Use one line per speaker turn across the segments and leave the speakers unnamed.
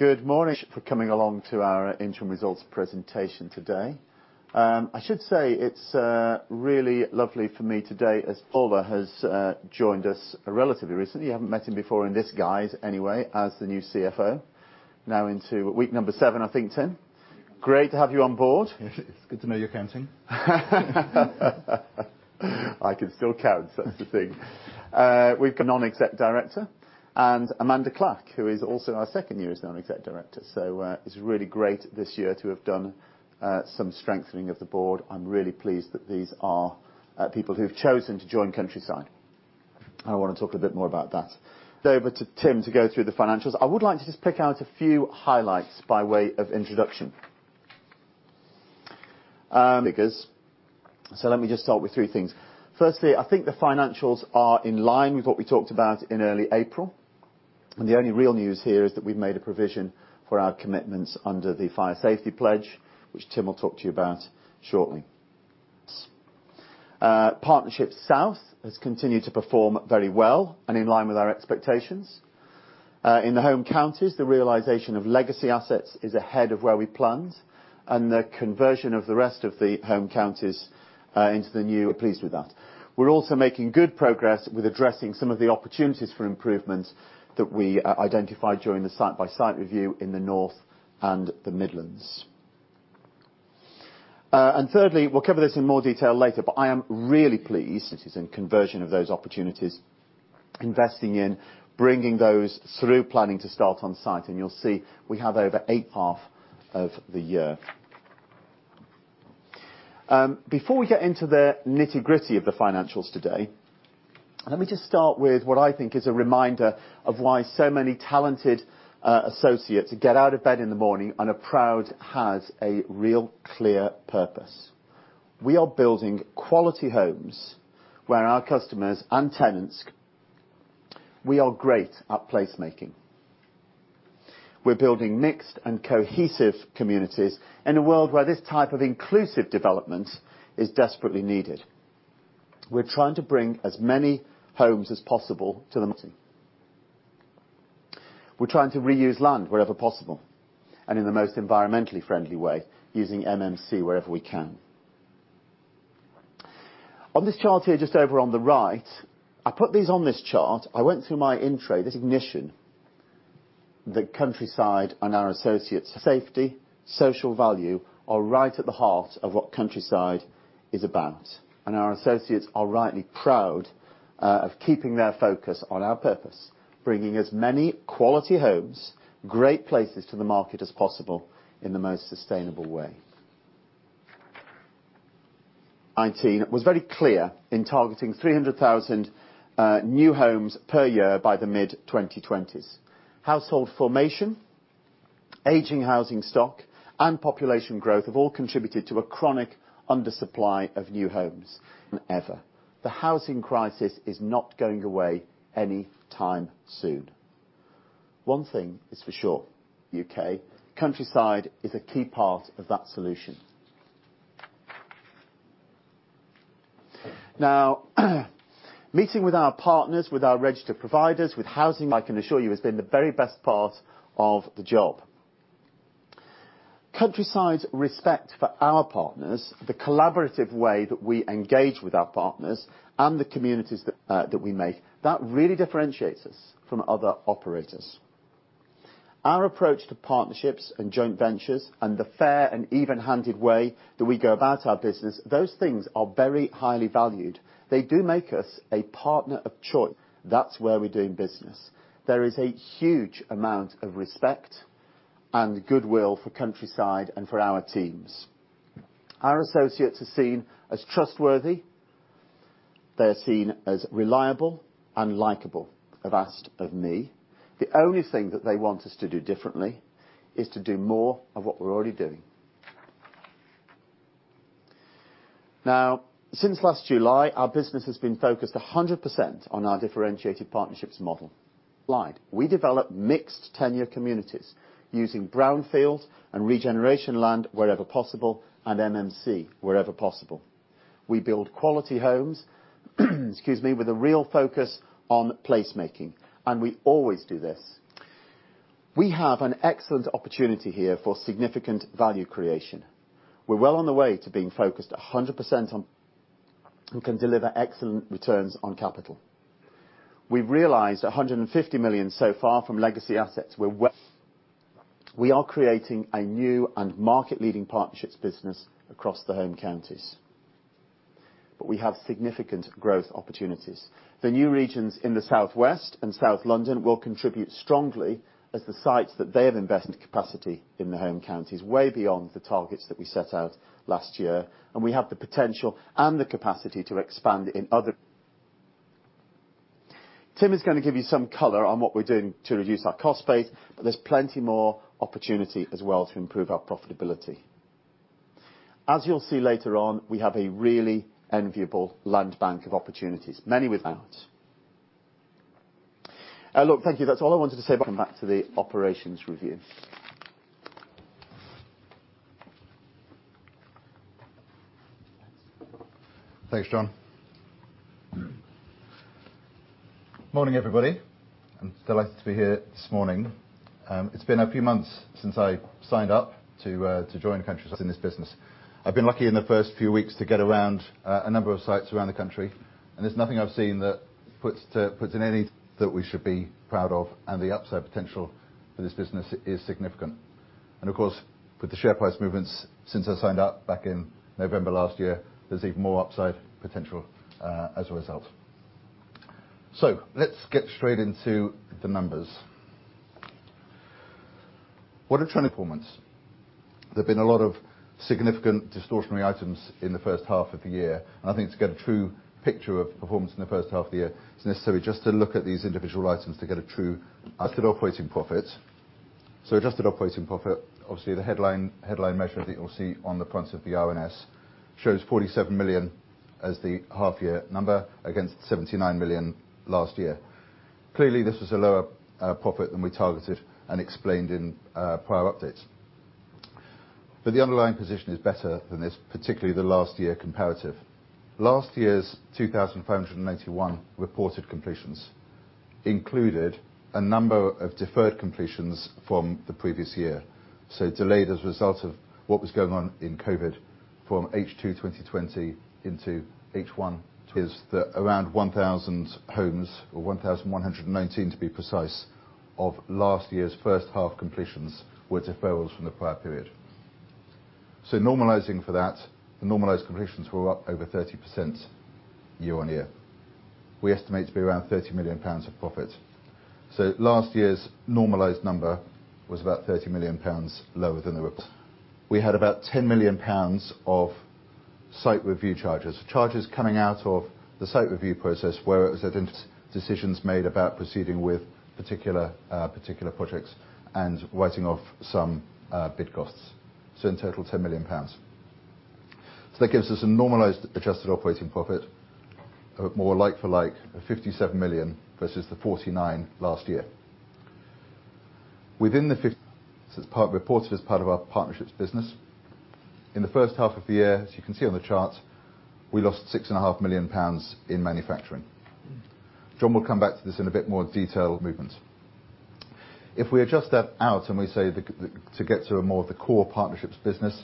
Good morning. For coming along to our interim results presentation today. I should say it's really lovely for me today as Timothy Lawlor has joined us relatively recently. You haven't met him before in this guise anyway as the new CFO. Now into week number seven, I think, Tim. Great to have you on board.
It's good to know you're counting.
I can still count, that's the thing. We've a non-exec director and Amanda Burton, who is also in her second year as non-exec director. It's really great this year to have done some strengthening of the board. I'm really pleased that these are people who've chosen to join Countryside. I wanna talk a bit more about that. Over to Tim to go through the financials. I would like to just pick out a few highlights by way of introduction. Let me just start with three things. Firstly, I think the financials are in line with what we talked about in early April, and the only real news here is that we've made a provision for our commitments under the fire safety pledge, which Tim will talk to you about shortly. Partnerships South has continued to perform very well and in line with our expectations. In the Home Counties, the realization of legacy assets is ahead of where we planned, and the conversion of the rest of the Home Counties into the new, we're pleased with that. We're also making good progress with addressing some of the opportunities for improvements that we identified during the site-by-site review in the North and the Midlands. Thirdly, we'll cover this in more detail later, but I am really pleased. It is the conversion of those opportunities, investing in bringing those through planning to start on site, and you'll see we have over 80% of the year. Before we get into the nitty-gritty of the financials today, let me just start with what I think is a reminder of why so many talented associates get out of bed in the morning and are proud, has a real clear purpose. We are great at placemaking. We're building mixed and cohesive communities in a world where this type of inclusive development is desperately needed. We're trying to reuse land wherever possible, and in the most environmentally friendly way, using MMC wherever we can. On this chart here, just over on the right, I put these on this chart. I went through my in tray, this recognition, the Countryside and our associates. Safety, social value are right at the heart of what Countryside is about, and our associates are rightly proud of keeping their focus on our purpose, bringing as many quality homes, great places to the market as possible in the most sustainable way. It was very clear in targeting 300,000 new homes per year by the mid-2020s. Household formation, aging housing stock, and population growth have all contributed to a chronic undersupply of new homes than ever. The housing crisis is not going away any time soon. One thing is for sure, U.K., Countryside is a key part of that solution. Now meeting with our partners, with our registered providers, with housing, I can assure you, has been the very best part of the job. Countryside's respect for our partners, the collaborative way that we engage with our partners and the communities that we make, that really differentiates us from other operators. Our approach to partnerships and joint ventures and the fair and even-handed way that we go about our business, those things are very highly valued. They do make us a partner of choice. That's where we're doing business. There is a huge amount of respect and goodwill for Countryside and for our teams. Our associates are seen as trustworthy. They're seen as reliable and likable. Have asked of me. The only thing that they want us to do differently is to do more of what we're already doing. Now, since last July, our business has been focused 100% on our differentiated partnerships model. We develop mixed tenure communities using brownfield and regeneration land wherever possible and MMC wherever possible. We build quality homes, excuse me, with a real focus on placemaking, and we always do this. We have an excellent opportunity here for significant value creation. We're well on the way to being focused 100% on and can deliver excellent returns on capital. We've realized 150 million so far from legacy assets. We are creating a new and market-leading partnerships business across the Home Counties, but we have significant growth opportunities. The new regions in the Southwest and South London will contribute strongly as the sites that they have invested capacity in the Home Counties way beyond the targets that we set out last year, and we have the potential and the capacity to expand in other. Tim is gonna give you some color on what we're doing to reduce our cost base, but there's plenty more opportunity as well to improve our profitability. As you'll see later on, we have a really enviable land bank of opportunities, look, thank you. That's all I wanted to say about that. Back to the operations review.
Thanks, John. Morning, everybody. I'm delighted to be here this morning. It's been a few months since I signed up to join Countryside in this business. I've been lucky in the first few weeks to get around a number of sites around the country, and there's nothing I've seen that puts in any doubt that we should be proud of, and the upside potential for this business is significant. Of course, with the share price movements since I signed up back in November last year, there's even more upside potential as a result. Let's get straight into the numbers. What a tremendous performance. There have been a lot of significant distortionary items in the H1 of the year, and I think to get a true picture of performance in the H1 of the year, it's necessary just to look at these individual items. Adjusted operating profit. Adjusted operating profit, obviously, the headline measure that you'll see on the front of the RNS, shows 47 million as the half year number against 79 million last year. Clearly, this was a lower profit than we targeted and explained in prior updates. The underlying position is better than this, particularly the last year comparative. Last year's 2,591 reported completions included a number of deferred completions from the previous year, so delayed as a result of what was going on in COVID from H2 2020 into H1. Is that around 1,000 homes, or 1,119 to be precise, of last year's H1 completions were deferrals from the prior period. Normalizing for that, the normalized completions were up over 30% year-on-year. We estimate to be around 30 million pounds of profit. Last year's normalized number was about 30 million pounds lower than the. We had about 10 million pounds of site review charges. Charges coming out of the site review process where it was decisions made about proceeding with particular projects and writing off some bid costs. In total, 10 million pounds. That gives us a normalized adjusted operating profit of more like for-like 57 million versus the 49 million last year. Within the fifty. It's part reported as part of our partnerships business. In the H1 of the year, as you can see on the chart, we lost 6.5 million pounds in manufacturing. John will come back to this in a bit more detail movements. If we adjust that out and we say the to get to a more of the core partnerships business,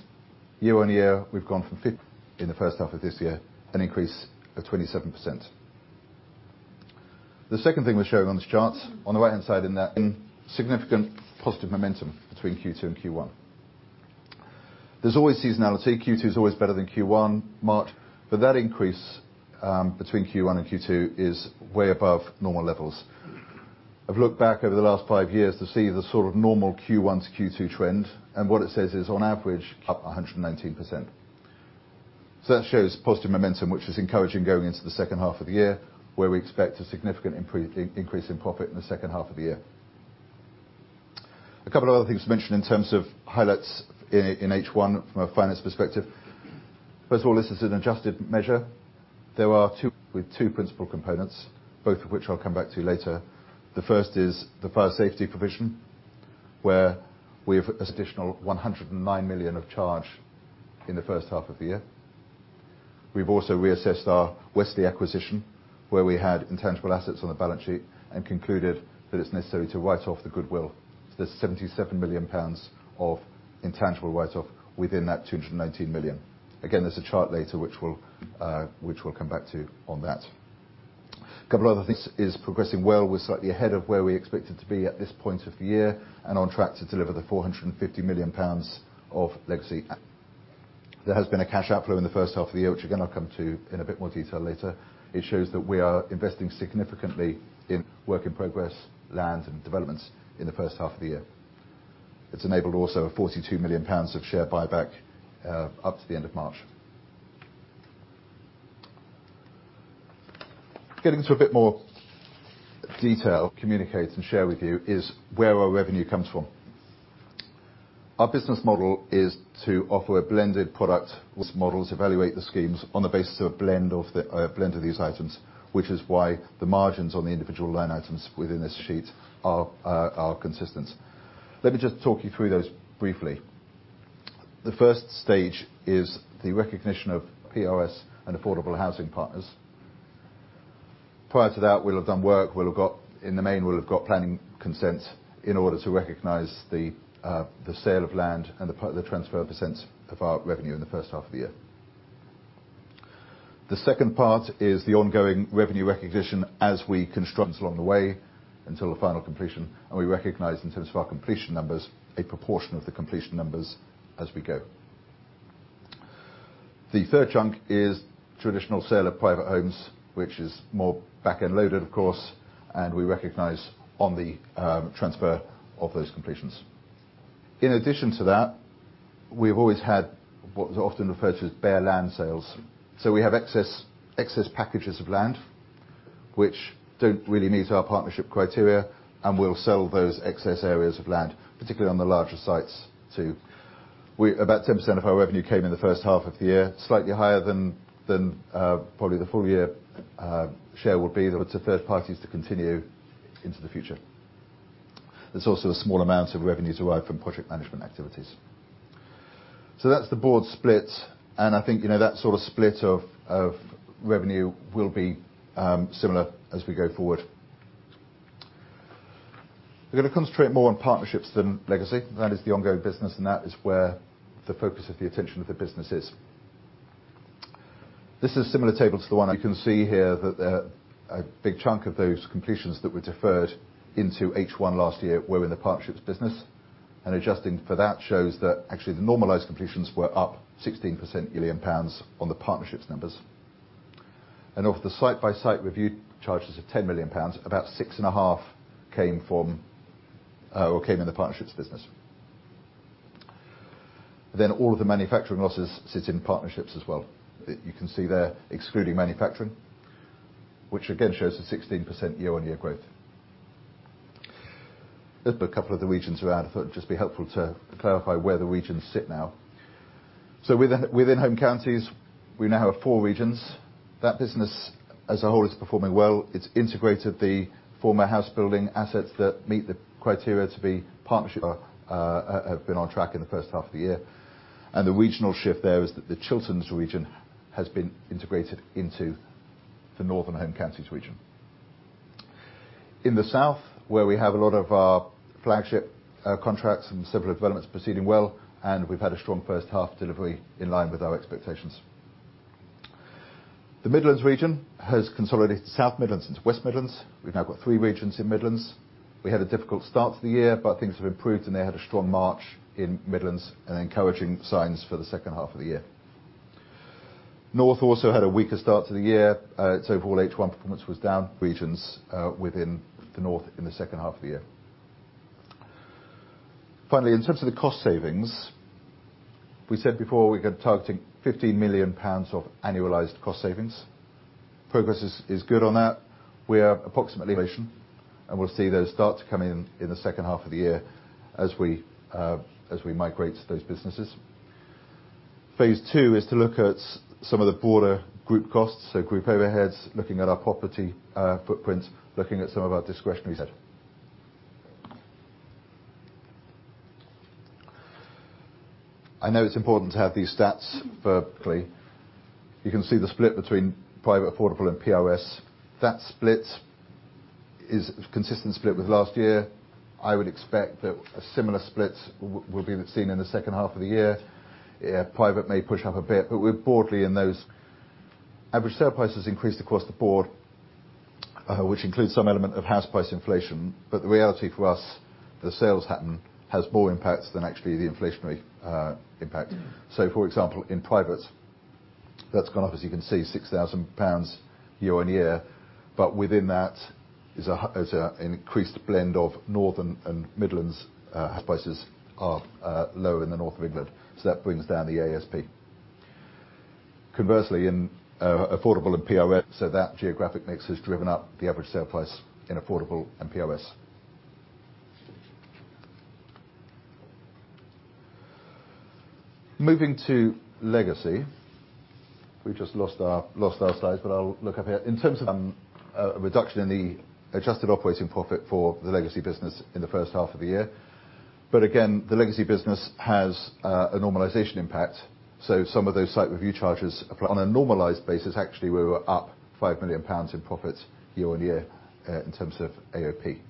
year on year, we've gone from in the H1 of this year, an increase of 27%. The second thing we're showing on this chart, on the right-hand side in that significant positive momentum between Q2 and Q1. There's always seasonality. Q2 is always better than Q1, March. But that increase between Q1 and Q2 is way above normal levels. I've looked back over the last five years to see the sort of normal Q1 to Q2 trend, and what it says is on average, up 119%. That shows positive momentum, which is encouraging going into the H2 of the year, where we expect a significant increase in profit in the H2 of the year. A couple of other things to mention in terms of highlights in H1 from a finance perspective. First of all, this is an adjusted measure. There are two principal components, both of which I'll come back to later. The first is the fire safety provision, where we have this additional 109 million of charge in the H1 of the year. We've also reassessed our Westleigh acquisition, where we had intangible assets on the balance sheet and concluded that it's necessary to write off the goodwill. There's 77 million pounds of intangible write-off within that 219 million. Again, there's a chart later which we'll come back to on that. A couple of other things is progressing well. We're slightly ahead of where we expected to be at this point of the year and on track to deliver 450 million pounds of legacy. There has been a cash outflow in the H1 of the year, which again, I'll come to in a bit more detail later. It shows that we are investing significantly in work in progress, lands and developments in the H1 of the year. It's enabled also a 42 million pounds of share buyback up to the end of March. Getting to a bit more detail, communicate and share with you is where our revenue comes from. Our business model is to offer a blended product with models, evaluate the schemes on the basis of a blend of these items, which is why the margins on the individual line items within this sheet are consistent. Let me just talk you through those briefly. The first stage is the recognition of PRS and affordable housing partners. Prior to that, we'll have done work. We'll have got, in the main, we'll have got planning consents in order to recognize the sale of land and the transfer of assets of our revenue in the H1 of the year. The second part is the ongoing revenue recognition as we construct along the way until the final completion, and we recognize in terms of our completion numbers, a proportion of the completion numbers as we go. The third chunk is traditional sale of private homes, which is more back-end loaded, of course, and we recognize on the transfer of those completions. In addition to that, we've always had what is often referred to as bare land sales. We have excess packages of land which don't really meet our partnership criteria, and we'll sell those excess areas of land, particularly on the larger sites. About 10% of our revenue came in the H1 of the year, slightly higher than probably the full year share will be, though it's a third party, is to continue into the future. There's also small amounts of revenues derived from project management activities. That's the broad split, and I think, you know, that sort of split of revenue will be similar as we go forward. We're gonna concentrate more on Partnerships than Legacy. That is the ongoing business, and that is where the focus of the attention of the business is. This is a similar table to the one. You can see here that a big chunk of those completions that were deferred into H1 last year were in the Partnerships business. Adjusting for that shows that actually the normalized completions were up 16% million pounds on the Partnerships numbers. Of the site-by-site review charges of 10 million pounds, about 6.5 million came from or came in the Partnerships business. All of the manufacturing losses sits in Partnerships as well. You can see there excluding manufacturing, which again shows a 16% year-on-year growth. Let's put a couple of the regions around. I thought it'd just be helpful to clarify where the regions sit now. Within Home Counties, we now have four regions. That business as a whole is performing well. It's integrated the former house building assets that meet the criteria to be Partnerships, have been on track in the H1 of the year. The regional shift there is that the Chilterns region has been integrated into the northern Home Counties region. In the South, where we have a lot of our flagship contracts and several developments proceeding well, we've had a strong H1 delivery in line with our expectations. The Midlands region has consolidated South Midlands into West Midlands. We've now got three regions in Midlands. We had a difficult start to the year, but things have improved, and they had a strong March in Midlands and encouraging signs for the H2 of the year. North also had a weaker start to the year. Its overall H1 performance was down. Regions within the North in the H2 of the year. Finally, in terms of the cost savings, we said before we could target 15 million pounds of annualized cost savings. Progress is good on that. We'll see those start to come in the H2 of the year as we migrate those businesses. Phase two is to look at some of the broader group costs. Group overheads, looking at our property footprint, looking at some of our discretionary. I know it's important to have these stats verbally. You can see the split between private, affordable and POS. That split is a consistent split with last year. I would expect that a similar split will be seen in the H2 of the year. Yeah, private may push up a bit, but we're broadly in those. Average sale prices increased across the board, which includes some element of house price inflation. The reality for us, the sales happen has more impacts than actually the inflationary impact. For example, in private, that's gone up, as you can see, 6,000 pounds year-on-year. Within that is an increased blend of northern and Midlands house prices are lower in the north of England. That brings down the ASP. Conversely, in affordable and POS. That geographic mix has driven up the average sale price in affordable and POS. Moving to Legacy. We've just lost our slides, but I'll look up here. In terms of a reduction in the adjusted operating profit for the Legacy business in the H1 of the year. Again, the Legacy business has a normalization impact. Some of those site review charges apply. On a normalized basis, actually, we were up 5 million pounds in profit year-over-year in terms of AOP.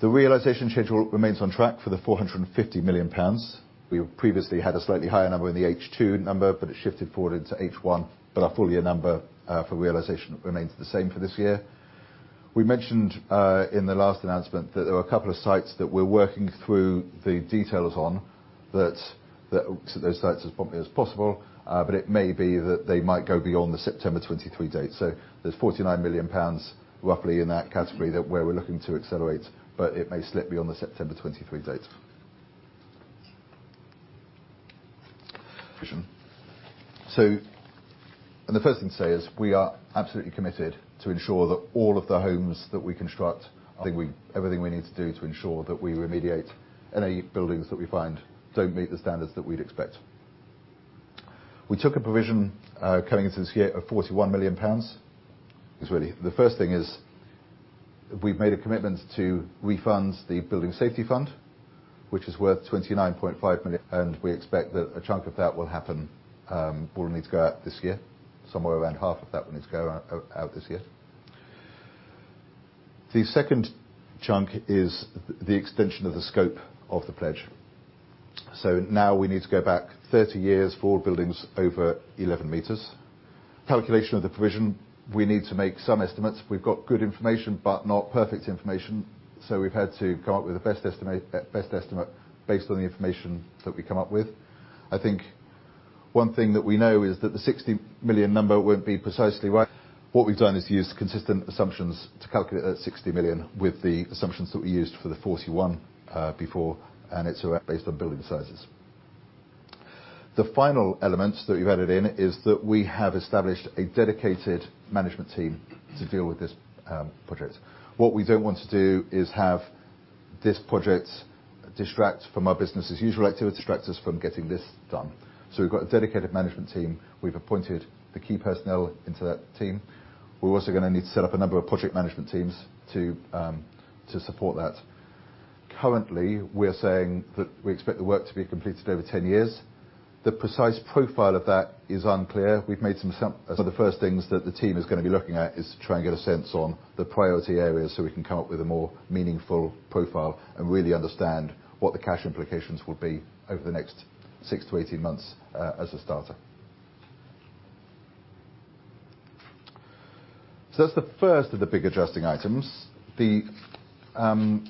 The realization schedule remains on track for 450 million pounds. We previously had a slightly higher number in the H2 number, but it shifted forward into H1. Our full year number for realization remains the same for this year. We mentioned in the last announcement that there were a couple of sites that we're working through the details on those sites as promptly as possible. It may be that they might go beyond the September 2023 date. There's 49 million pounds roughly in that category that we're looking to accelerate, but it may slip beyond the September 2023 date. Provision. The first thing to say is we are absolutely committed to ensure that all of the homes that we construct everything we need to do to ensure that we remediate any buildings that we find don't meet the standards that we'd expect. We took a provision coming into this year of 41 million pounds. It's really the first thing we've made a commitment to refund the Building Safety Fund, which is worth 29.5 million, and we expect that a chunk of that will need to go out this year. Somewhere around half of that will need to go out this year. The second chunk is the extension of the scope of the pledge. Now we need to go back 30 years for buildings over 11 meters. Calculation of the provision, we need to make some estimates. We've got good information, but not perfect information. We've had to come up with the best estimate based on the information that we come up with. I think one thing that we know is that the 60 million number won't be precisely right. What we've done is use consistent assumptions to calculate that 60 million with the assumptions that we used for the 41 million before, and it's based on building sizes. The final elements that we've added in is that we have established a dedicated management team to deal with this project. What we don't want to do is have this project distract from our business as usual activity, distract us from getting this done. We've got a dedicated management team. We've appointed the key personnel into that team. We're also gonna need to set up a number of project management teams to support that. Currently, we are saying that we expect the work to be completed over 10 years. The precise profile of that is unclear. The first things that the team is gonna be looking at is to try and get a sense on the priority areas, so we can come up with a more meaningful profile and really understand what the cash implications will be over the next 6-18 months, as a starter. That's the first of the big adjusting items. One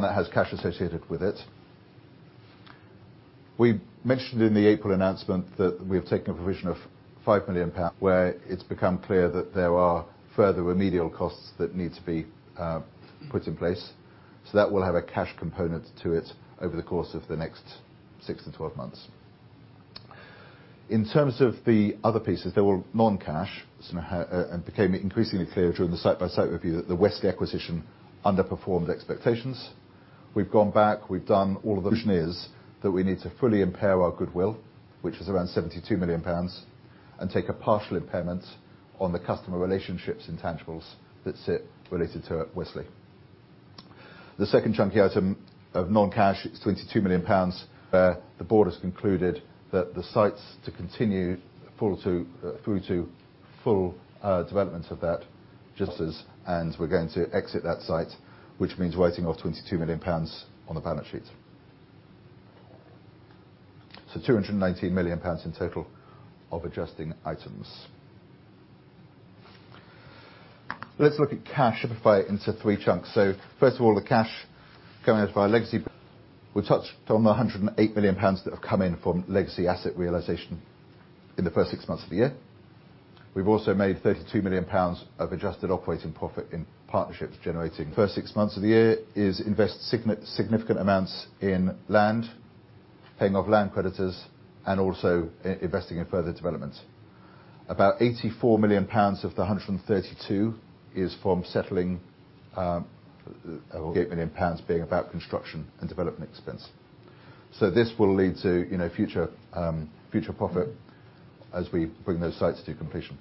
that has cash associated with it. We mentioned in the April announcement that we have taken a provision of 5 million pounds where it's become clear that there are further remedial costs that need to be put in place. That will have a cash component to it over the course of the next six-12 months. In terms of the other pieces, they were non-cash. It became increasingly clear during the site-by-site review that the Westleigh acquisition underperformed expectations. We've gone back. The result is that we need to fully impair our goodwill, which is around 72 million pounds, and take a partial impairment on the customer relationships and tangibles that sit related to Westleigh. The second chunky item of non-cash is 22 million pounds where the board has concluded that it's not viable to continue through to full development of that site, and we're going to exit that site, which means writing off 22 million pounds on the balance sheet. 219 million pounds in total of adjusting items. Let's look at cash, simplify it into three chunks. First of all, the cash going out of our legacy. We touched on the 108 million pounds that have come in from legacy asset realization in the first six months of the year. We've also made 32 million pounds of adjusted operating profit in partnerships generating. First six months of the year we've invested significant amounts in land, paying off land creditors, and also investing in further development. About 84 million pounds of the 132 million is from settling, 8 million pounds being about construction and development expense. This will lead to, you know, future profit as we bring those sites to completion.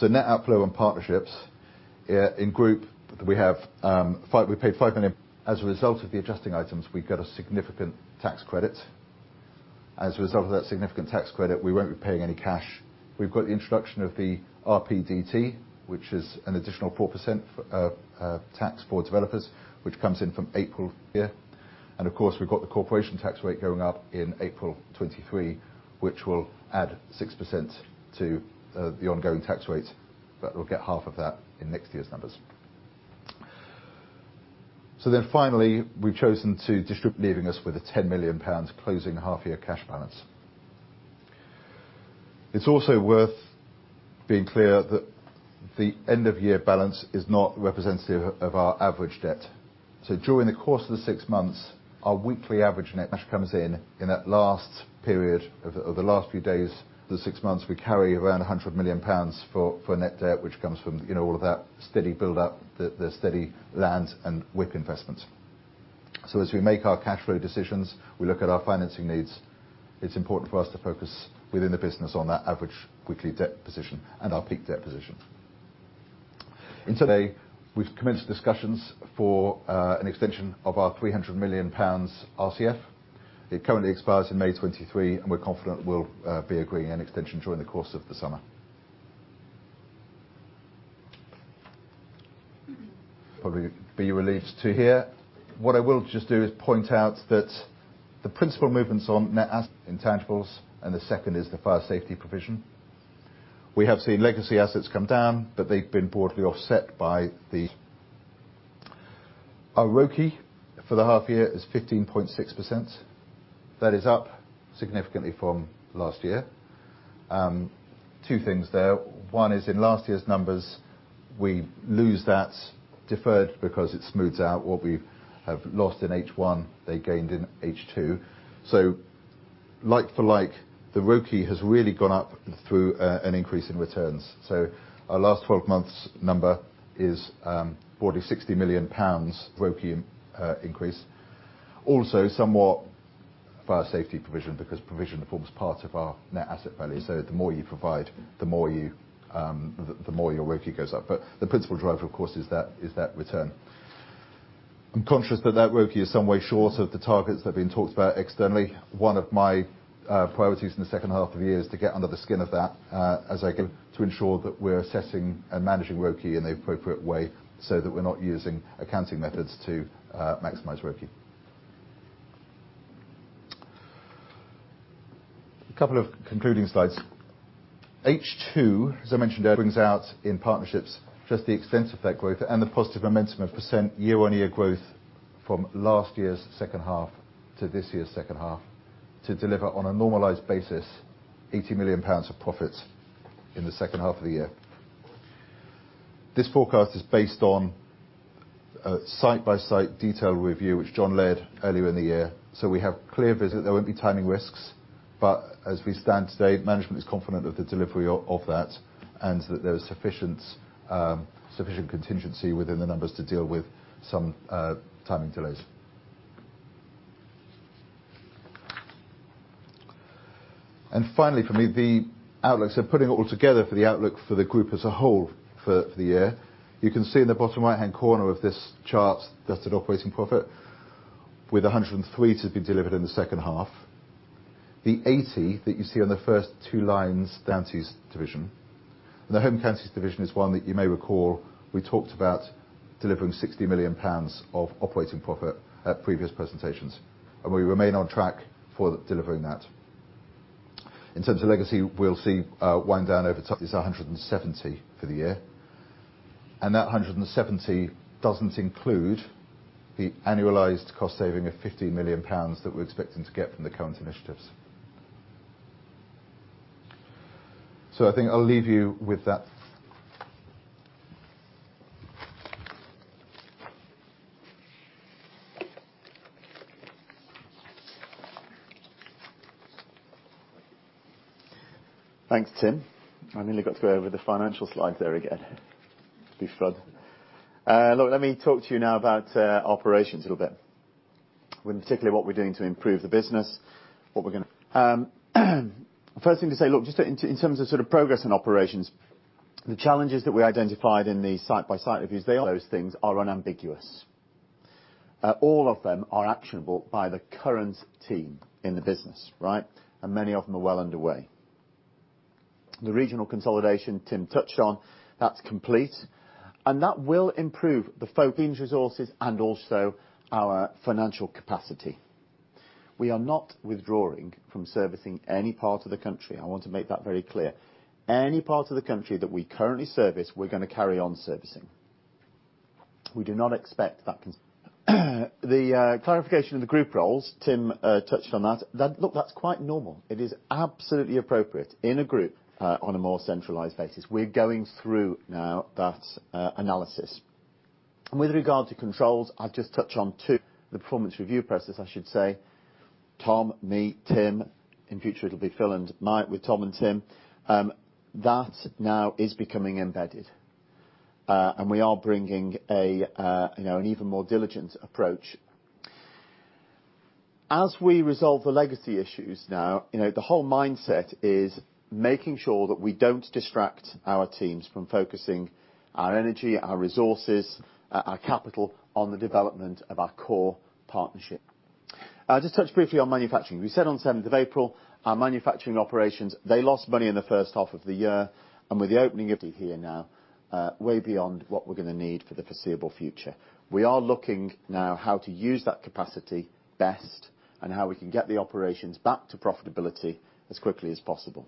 Net outflow in partnerships. In group, we paid 5 million. As a result of the adjusting items, we've got a significant tax credit. As a result of that significant tax credit, we won't be paying any cash. We've got the introduction of the RPDT, which is an additional 4% tax for developers, which comes in from April here. Of course, we've got the corporation tax rate going up in April 2023, which will add 6% to the ongoing tax rate, but we'll get half of that in next year's numbers. Finally, leaving us with a 10 million pounds closing half-year cash balance. It's also worth being clear that the end-of-year balance is not representative of our average debt. During the course of the six months, our weekly average net cash comes in in that last period of the last few days. The six months we carry around 100 million pounds of net debt, which comes from, you know, all of that steady build up, the steady land and WIP investments. As we make our cash flow decisions, we look at our financing needs. It's important for us to focus within the business on that average weekly debt position and our peak debt position. Today, we've commenced discussions for an extension of our 300 million pounds RCF. It currently expires in May 2023, and we're confident we'll be agreeing an extension during the course of the summer. Probably be relieved to hear. What I will just do is point out that the principal movements on net assets, intangibles, and the second is the fire safety provision. We have seen legacy assets come down, but they've been broadly offset. Our ROCE for the half-year is 15.6%. That is up significantly from last year. Two things there. One is in last year's numbers, we lose that deferred because it smooths out what we have lost in H1, they gained in H2. Like for like, the ROCE has really gone up through an increase in returns. Our last twelve months number is broadly 60 million pounds ROCE increase. Also somewhat fire safety provision, because provision forms part of our net asset value. The more you provide, the more your ROCE goes up. The principal driver, of course, is that return. I'm conscious that ROCE is some way short of the targets that have been talked about externally. One of my priorities in the H2 of the year is to get under the skin of that, as I can to ensure that we're assessing and managing ROCE in the appropriate way, so that we're not using accounting methods to maximize ROCE. A couple of concluding slides. H2, as I mentioned earlier, brings out in partnerships just the extent of that growth and the positive momentum of 5% year-on-year growth from last year's H2 to this year's H2 to deliver on a normalized basis 80 million pounds of profit in the H2 of the year. This forecast is based on a site-by-site detailed review, which John led earlier in the year. We have clear visibility. There won't be timing risks, but as we stand today, management is confident of the delivery of that and that there is sufficient contingency within the numbers to deal with some timing delays. Finally, for me, the outlook. Putting it all together for the outlook for the group as a whole for the year. You can see in the bottom right-hand corner of this chart, that's an operating profit with 103 to be delivered in the H2. The 80 that you see on the first two lines, Home Counties division. The Home Counties division is one that you may recall we talked about delivering 60 million pounds of operating profit at previous presentations, and we remain on track for delivering that. In terms of Legacy, we'll see wind down over time is 170 million for the year. That 170 million doesn't include the annualized cost saving of 50 million pounds that we're expecting to get from the current initiatives. I think I'll leave you with that.
Thanks, Tim. I nearly got to go over the financial slides there again. Big flood. Let me talk to you now about operations a little bit, particularly what we're doing to improve the business. First thing to say, just in terms of progress in operations, the challenges that we identified in the site-by-site reviews, those things are unambiguous. All of them are actionable by the current team in the business, right? Many of them are well underway. The regional consolidation Tim touched on, that's complete. That will improve the focus resources and also our financial capacity. We are not withdrawing from servicing any part of the country. I want to make that very clear. Any part of the country that we currently service, we're gonna carry on servicing. We do not expect that can. The clarification of the group roles, Tim, touched on that. That's quite normal. It is absolutely appropriate in a group on a more centralized basis. We're going through now that analysis. With regard to controls, I'll just touch on two. The performance review process, I should say, Tom, me, Tim, in future it'll be Phil and Mike with Tom and Tim, that now is becoming embedded. We are bringing a you know, an even more diligent approach. As we resolve the legacy issues now, you know, the whole mindset is making sure that we don't distract our teams from focusing our energy, our resources, our capital on the development of our core partnership. I'll just touch briefly on manufacturing. We said on seventh of April, our manufacturing operations, they lost money in the H1 of the year, and with the opening of here now, way beyond what we're gonna need for the foreseeable future. We are looking now how to use that capacity best and how we can get the operations back to profitability as quickly as possible.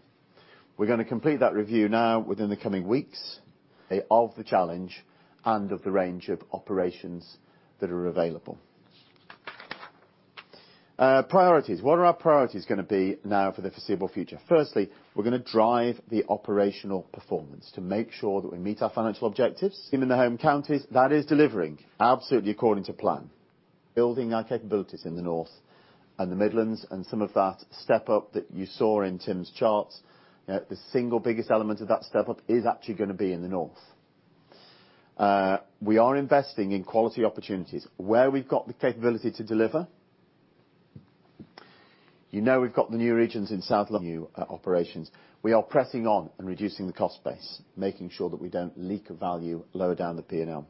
We're gonna complete that review now within the coming weeks of the challenge and of the range of operations that are available. Priorities. What are our priorities gonna be now for the foreseeable future? Firstly, we're gonna drive the operational performance to make sure that we meet our financial objectives. In the Home Counties, that is delivering absolutely according to plan. Building our capabilities in the North and the Midlands and some of that step up that you saw in Tim's charts. The single biggest element of that step up is actually gonna be in the North. We are investing in quality opportunities where we've got the capability to deliver. You know we've got the new regions in the South and new operations. We are pressing on and reducing the cost base, making sure that we don't leak value lower down the P&L.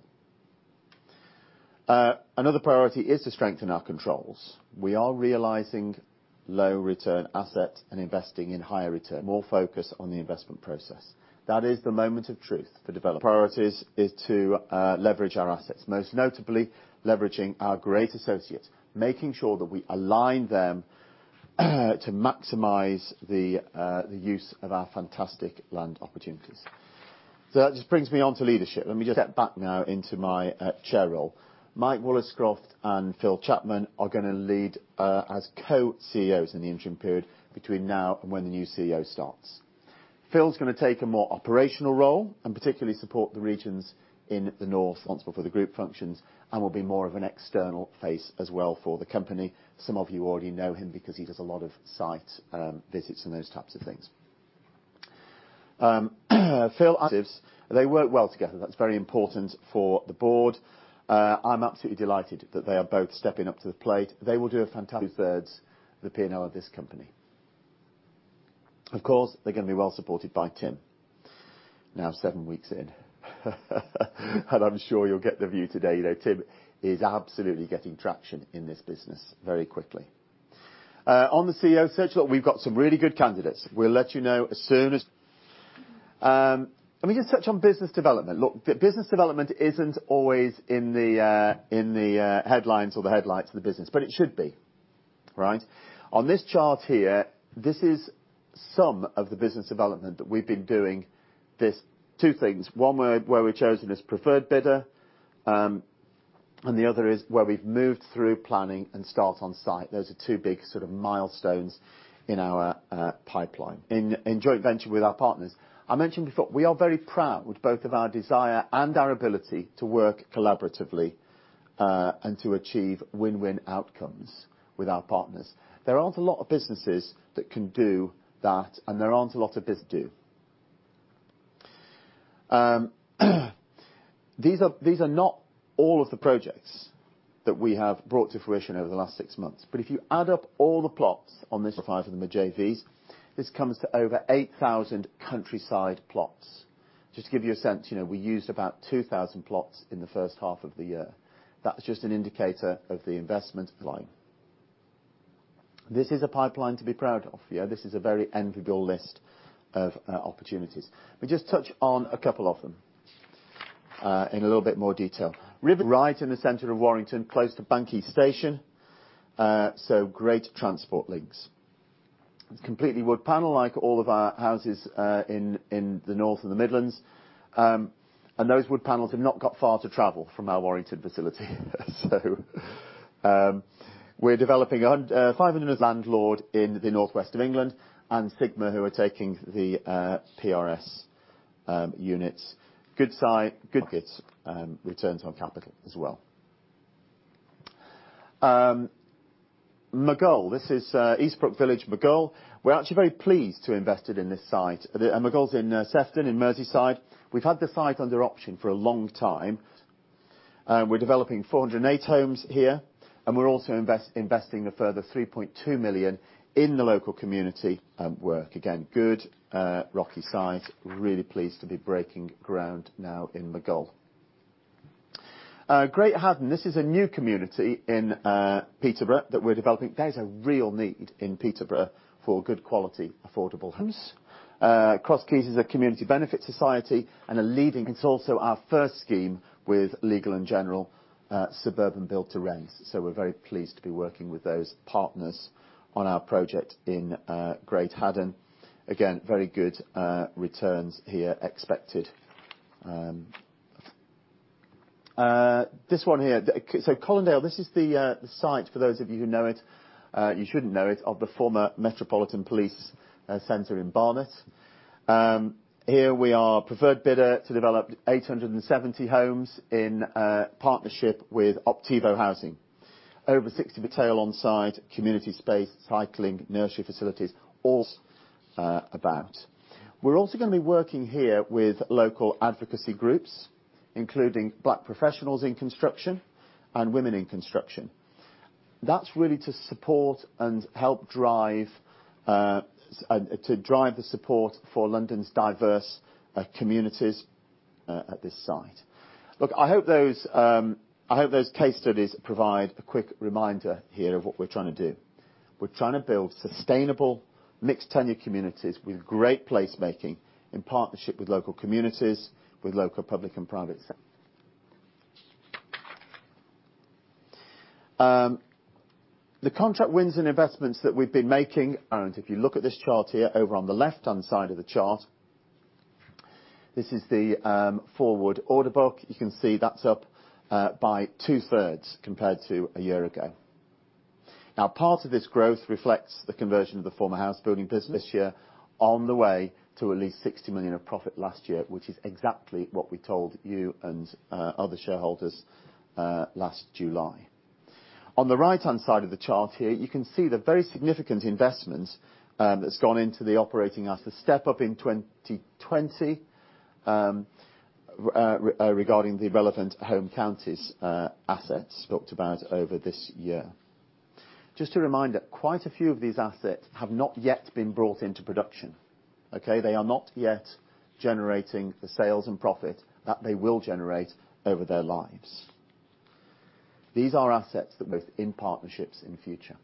Another priority is to strengthen our controls. We are realizing low return asset and investing in higher return. More focus on the investment process. That is the moment of truth for developers. Priorities is to leverage our assets, most notably leveraging our great associates, making sure that we align them to maximize the use of our fantastic land opportunities. That just brings me on to leadership. Let me just step back now into my Chair role. Mike Woolliscroft and Phil Chapman are gonna lead as co-CEOs in the interim period between now and when the new CEO starts. Phil's gonna take a more operational role and particularly support the regions in the North, responsible for the group functions, and will be more of an external face as well for the company. Some of you already know him because he does a lot of site visits and those types of things. Phil, they work well together. That's very important for the board. I'm absolutely delighted that they are both stepping up to the plate. They will do a fantastic two-thirds the P&L of this company. Of course, they're gonna be well supported by Tim. Now seven weeks in. I'm sure you'll get the view today, you know, Tim is absolutely getting traction in this business very quickly. On the CEO search, look, we've got some really good candidates. We'll let you know as soon as. Let me just touch on business development. Look, business development isn't always in the headlines or the headlights of the business, but it should be. Right? On this chart here, this is some of the business development that we've been doing this. Two things. One, where we're chosen as preferred bidder, and the other is where we've moved through planning and start on site. Those are two big sort of milestones in our pipeline. In joint venture with our partners, I mentioned before, we are very proud both of our desire and our ability to work collaboratively, and to achieve win-win outcomes with our partners. There aren't a lot of businesses that can do that. These are not all of the projects that we have brought to fruition over the last six months. If you add up all the plots on this, five of them are JVs. This comes to over 8,000 Countryside plots. Just to give you a sense, you know, we used about 2,000 plots in the H1 of the year. That's just an indicator of the investment line. This is a pipeline to be proud of. You know, this is a very enviable list of opportunities. Let me just touch on a couple of them in a little bit more detail. Right in the center of Warrington, close to Bank Quay station, so great transport links. It's completely wood panel, like all of our houses in the North and the Midlands. Those wood panels have not got far to travel from our Warrington facility. We're developing 500 as landlord in the North West of England and Sigma, who are taking the PRS units. Good returns on capital as well. Maghull. This is Eastbrook Village, Maghull. We're actually very pleased to have invested in this site. Maghull's in Sefton, in Merseyside. We've had the site under option for a long time. We're developing 408 homes here, and we're also investing a further 3.2 million in the local community and work. Again, good ROCE site. Really pleased to be breaking ground now in Maghull. Great Haddon, this is a new community in Peterborough that we're developing. There is a real need in Peterborough for good quality, affordable homes. Cross Keys Homes is a community benefit society. It's also our first scheme with Legal & General, suburban build to rent. We're very pleased to be working with those partners on our project in Great Haddon. Again, very good returns here expected. This one here, Colindale, this is the site, for those of you who know it, you shouldn't know it, of the former Metropolitan Police Center in Barnet. Here we are preferred bidder to develop 870 homes in a partnership with Optivo. Over 60 retail on site, community space, cycling, nursery facilities, all about. We're also gonna be working here with local advocacy groups, including Black Professionals in Construction Network and Women into Construction. That's really to support and help drive to drive the support for London's diverse communities at this site. Look, I hope those case studies provide a quick reminder here of what we're trying to do. We're trying to build sustainable mixed tenure communities with great placemaking in partnership with local communities, with local public and private sector. The contract wins and investments that we've been making, and if you look at this chart here over on the left-hand side of the chart, this is the forward order book. You can see that's up by 2/3 compared to a year ago. Now, part of this growth reflects the conversion of the former housebuilding business this year on the way to at least 60 million of profit last year, which is exactly what we told you and other shareholders last July. On the right-hand side of the chart here, you can see the very significant investments that's gone into the operations. The step-up in 2020 regarding the relevant Home Counties assets spoken about over this year. Just a reminder, quite a few of these assets have not yet been brought into production, okay? They are not yet generating the sales and profit that they will generate over their lives. These are assets that we're in partnerships in future.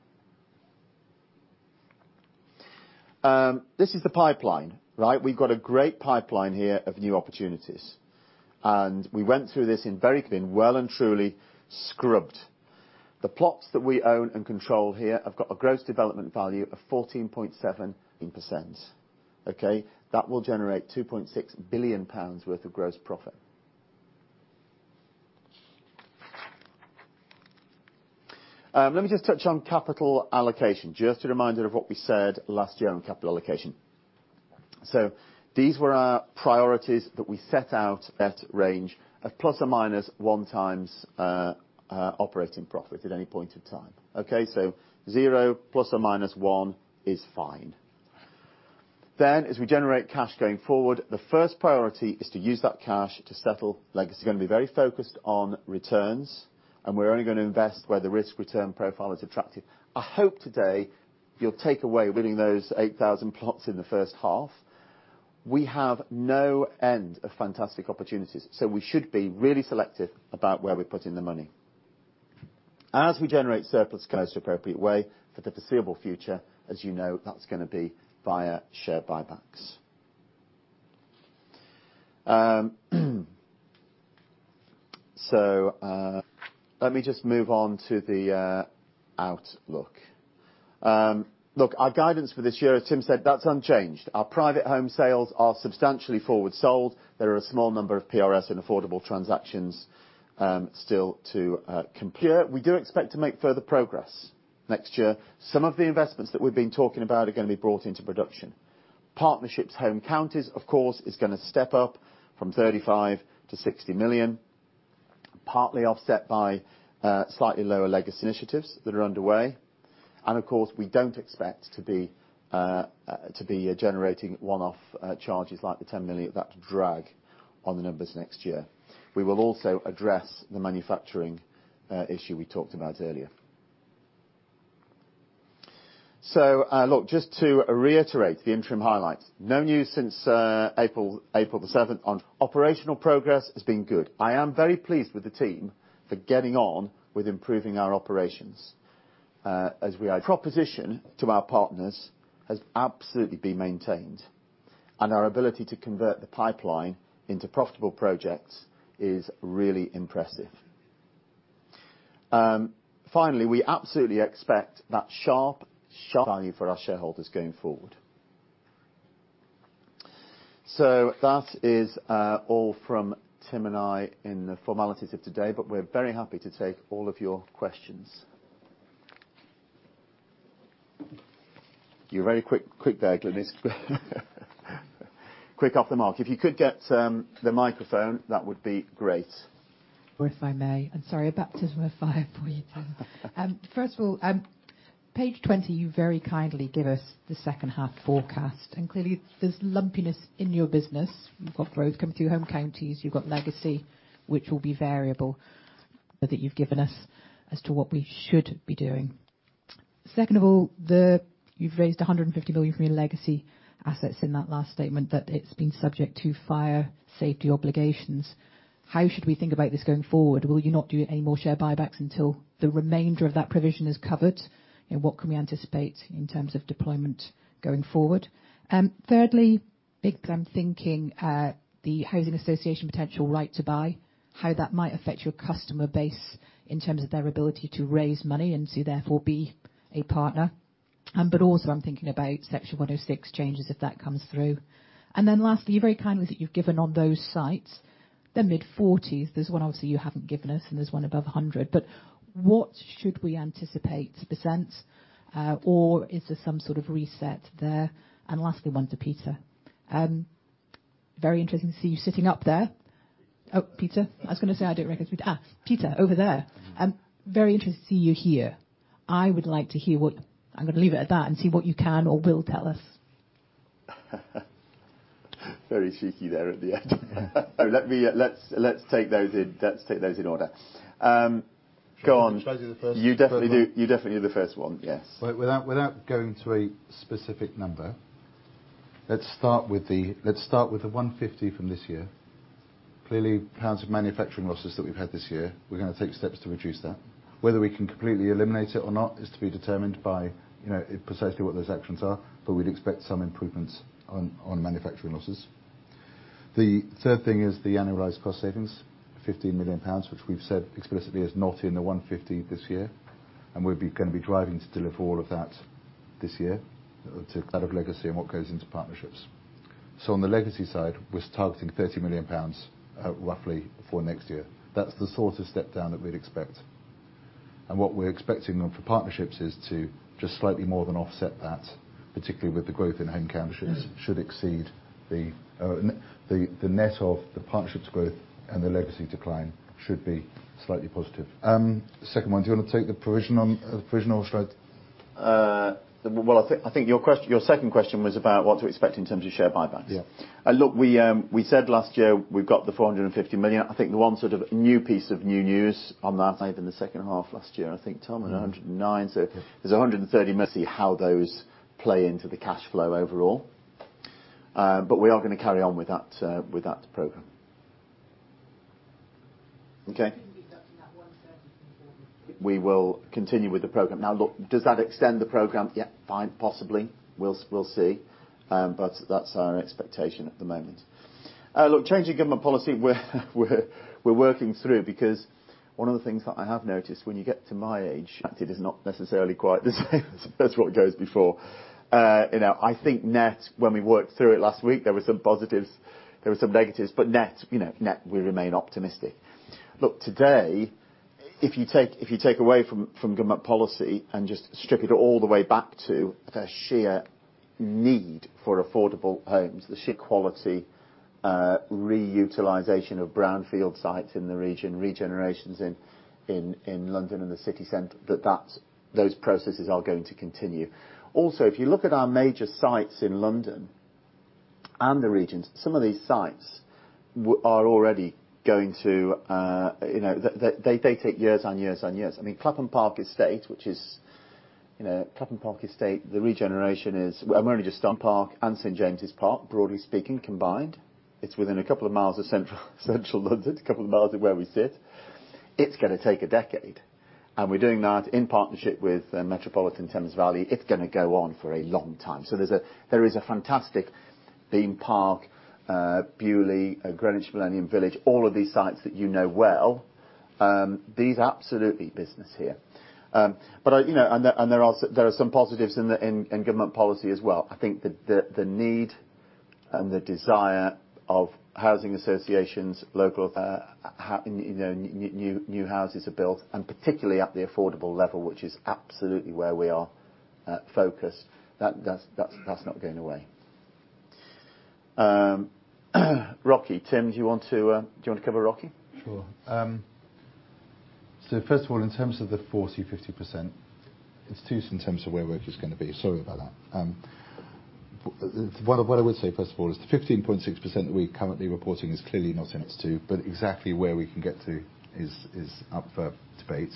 This is the pipeline, right? We've got a great pipeline here of new opportunities. We went through this in very clear, well and truly scrubbed. The plots that we own and control here have got a gross development value of 14.78%, okay? That will generate 2.6 billion pounds worth of gross profit. Let me just touch on capital allocation. Just a reminder of what we said last year on capital allocation. These were our priorities that we set out at range of ±1x operating profit at any point in time, okay? Zero ±one is fine. Then, as we generate cash going forward, the first priority is to use that cash to settle legacy. Gonna be very focused on returns, and we're only gonna invest where the risk-return profile is attractive. I hope today you'll take away winning those 8,000 plots in the H1. We have no end of fantastic opportunities, so we should be really selective about where we're putting the money. As we generate surplus cash in an appropriate way for the foreseeable future, as you know, that's gonna be via share buybacks. Let me just move on to the outlook. Look, our guidance for this year, as Tim said, that's unchanged. Our private home sales are substantially forward sold. There are a small number of PRS and affordable transactions still to compute. We do expect to make further progress next year. Some of the investments that we've been talking about are gonna be brought into production. Partnerships Home Counties, of course, is gonna step up from 35 million-60 million, partly offset by slightly lower legacy initiatives that are underway. Of course, we don't expect to be generating one-off charges like the 10 million. That's a drag on the numbers next year. We will also address the manufacturing issue we talked about earlier. Look, just to reiterate the interim highlights. No news since April the seventh on operational progress has been good. I am very pleased with the team for getting on with improving our operations. Our proposition to our partners has absolutely been maintained, and our ability to convert the pipeline into profitable projects is really impressive. Finally, we absolutely expect that share value for our shareholders going forward. That is all from Tim and I in the formalities of today, but we're very happy to take all of your questions. You're very quick there, Glynis. Quick off the mark. If you could get the microphone, that would be great.
If I may. I'm sorry, a baptism of fire for you, Tim. First of all, page 20, you very kindly give us the H2 forecast, and clearly there's lumpiness in your business. You've got growth coming through Home Counties, you've got Legacy, which will be variable, that you've given us as to what we should be doing. Second of all, you've raised 150 million from your legacy assets in that last statement that it's been subject to fire safety obligations. How should we think about this going forward? Will you not do any more share buybacks until the remainder of that provision is covered? You know, what can we anticipate in terms of deployment going forward? Thirdly, big game thinking, the housing association potential Right to Buy, how that might affect your customer base in terms of their ability to raise money and to therefore be a partner. Also I'm thinking about Section 106 changes if that comes through. Lastly, you very kindly that you've given on those sites, the mid-40s. There's one obviously you haven't given us, and there's one above 100%. What should we anticipate, the %, or is there some sort of reset there? Lastly, one to Peter. Very interesting to see you sitting up there. Peter, over there. Very interested to see you here. I would like to hear. I'm gonna leave it at that and see what you can or will tell us.
Very cheeky there at the end. Let's take those in order. Go on.
Shall I do the first?
You definitely do. You definitely do the first one. Yes.
Without going to a specific number, let's start with the 150 million from this year. Clearly, pounds of manufacturing losses that we've had this year, we're gonna take steps to reduce that. Whether we can completely eliminate it or not is to be determined by, you know, precisely what those actions are, but we'd expect some improvements on manufacturing losses. The third thing is the annualized cost savings, 15 million pounds, which we've said explicitly is not in the 150 million this year, and we're gonna be driving to deliver all of that this year to get out of Legacy and what goes into Partnerships. On the Legacy side, we're targeting 30 million pounds, roughly for next year. That's the sort of step down that we'd expect. What we're expecting on for Partnerships is to just slightly more than offset that, particularly with the growth in Home Counties should exceed the net of the Partnerships growth and the Legacy decline should be slightly positive. Second one, do you wanna take the provisional stroke?
Well, I think your second question was about what to expect in terms of share buybacks.
Yeah.
Look, we said last year, we've got the 450 million. I think the one sort of new piece of new news on that, in the H2 last year, I think, Tom, 109.
Yeah.
There's 130 million. See how those play into the cash flow overall. We are gonna carry on with that program. Okay.
Even deducting that GBP 130 million from GBP 40 million.
We will continue with the program. Now, look, does that extend the program? Yeah, fine, possibly. We'll see. That's our expectation at the moment. Look, changing government policy, we're working through because one of the things that I have noticed when you get to my age, actually is not necessarily quite the same as what goes before. You know, I think net, when we worked through it last week, there were some positives, there were some negatives, but net, you know, net, we remain optimistic. Look, today, if you take away from government policy and just strip it all the way back to the sheer need for affordable homes, the sheer quality, reutilization of brownfield sites in the region, regenerations in London and the city center, that's, those processes are going to continue. Also, if you look at our major sites in London and the regions, some of these sites are already going to. They take years and years and years. I mean, Clapham Park Estate, which is Clapham Park Estate, the regeneration is only just done Park and St. James's Park, broadly speaking, combined. It's within a couple of miles of central London, a couple of miles of where we sit. It's gonna take a decade. We're doing that in partnership with Metropolitan Thames Valley. It's gonna go on for a long time. There is a fantastic theme park, Beaulieu, Greenwich Millennium Village, all of these sites that you know well, these are absolutely business here. There are some positives in the government policy as well. I think the need and the desire of housing associations, local new houses are built, and particularly at the affordable level, which is absolutely where we are focused. That's not going away. ROCE. Tim, do you want to cover ROCE?
Sure. First of all, in terms of the 40%-50%, it's too in terms of where we're just gonna be. Sorry about that. Well, what I would say, first of all, is the 15.6% we're currently reporting is clearly not in its too, but exactly where we can get to is up for debate.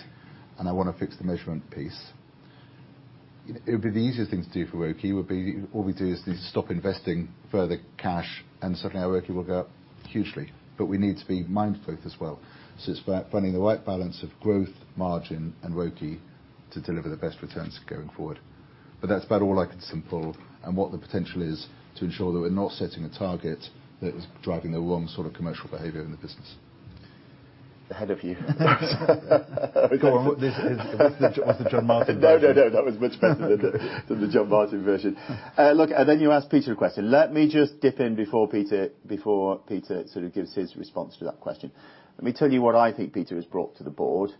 I wanna fix the measurement piece. It would be the easiest thing to do for ROCE, would be all we do is to stop investing further cash and suddenly our ROCE will go up hugely. We need to be mindful as well. It's about finding the right balance of growth, margin, and ROCE to deliver the best returns going forward. That's about all I can say, and what the potential is to ensure that we're not setting a target that is driving the wrong sort of commercial behavior in the business.
Ahead of you.
Go on. What's the John Martin version?
No, no. That was much better than the John Martin version. Look, you asked Peter a question. Let me just dip in before Peter sort of gives his response to that question. Let me tell you what I think Peter has brought to the board.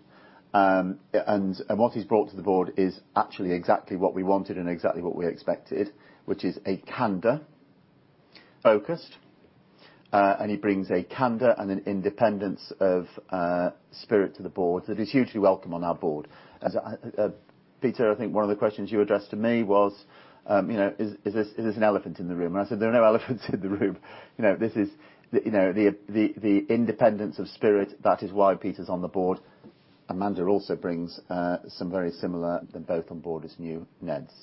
What he's brought to the board is actually exactly what we wanted and exactly what we expected, which is a candor focused. He brings a candor and an independence of spirit to the board that is hugely welcome on our board. Peter, I think one of the questions you addressed to me was, you know, is this an elephant in the room? I said, "There are no elephants in the room." You know, this is, you know, the independence of spirit, that is why Peter's on the board. Amanda also brings some very similar, they're both on board as new NEDs.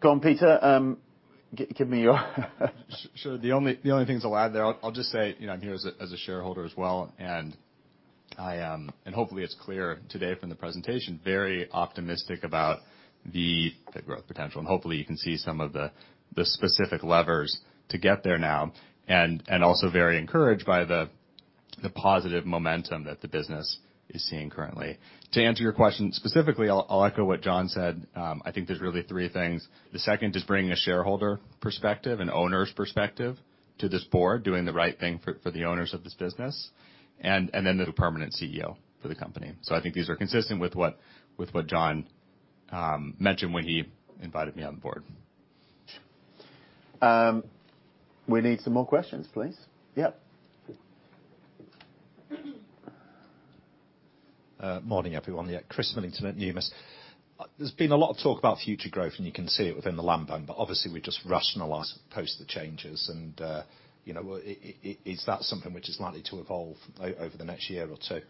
Go on, Peter. Give me your...
Sure. The only things I'll add there, I'll just say, you know, I'm here as a shareholder as well, and hopefully it's clear today from the presentation, very optimistic about the growth potential. Hopefully you can see some of the specific levers to get there now. Also very encouraged by the positive momentum that the business is seeing currently. To answer your question specifically, I'll echo what John said. I think there's really three things. The second is bringing a shareholder perspective and owner's perspective to this board, doing the right thing for the owners of this business, and then the permanent CEO for the company. I think these are consistent with what John mentioned when he invited me on board.
We need some more questions, please. Yeah.
Morning, everyone. Yeah, Chris Millington at Numis. There's been a lot of talk about future growth, and you can see it within the land bank, but obviously we're just rationalizing post the changes and, you know, is that something which is likely to evolve over the next year or two?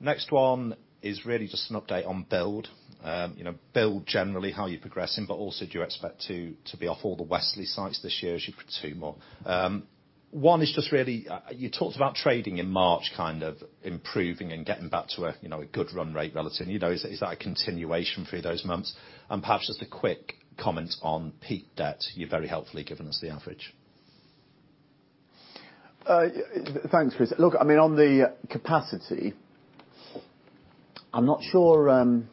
Next one is really just an update on build. You know, build generally, how you're progressing, but also, do you expect to be off all the Westleigh sites this year as you pursue more? One is just really, you talked about trading in March kind of improving and getting back to a, you know, a good run rate relatively. You know, is that a continuation through those months? Perhaps just a quick comment on peak debt. You've very helpfully given us the average.
Yeah, thanks, Chris. Look, I mean, on the capacity, I'm not sure, I'm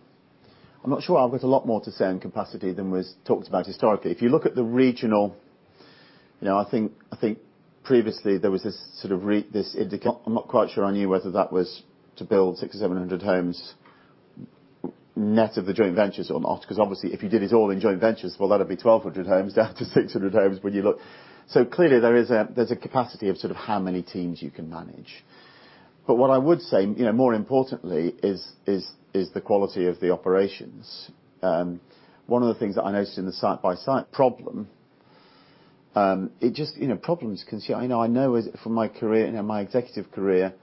not sure I've got a lot more to say on capacity than was talked about historically. If you look at the regional, you know, I think previously there was this sort of this indication. I'm not quite sure I knew whether that was to build 600 or 700 homes net of the joint ventures or not, 'cause obviously, if you did it all in joint ventures, well, that'd be 1,200 homes, down to 600 homes when you look. Clearly there is a, there's a capacity of sort of how many teams you can manage. What I would say, you know, more importantly is the quality of the operations. One of the things that I noticed in the site-by-site problem, it just, you know, problems consume. I know from my career, you know, my executive career,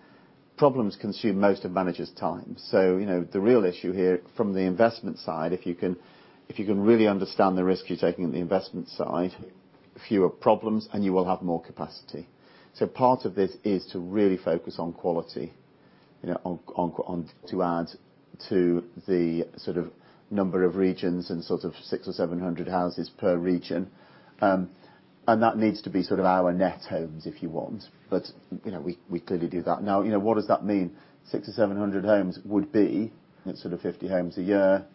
problems consume most of managers' time. You know, the real issue here from the investment side, if you can really understand the risk you're taking on the investment side, fewer problems, and you will have more capacity. Part of this is to really focus on quality, you know, to add to the sort of number of regions and sort of 600 or 700 houses per region. That needs to be sort of our net homes, if you want. You know, we clearly do that. Now, you know, what does that mean? 600 or 700 homes would be sort of 50 homes a year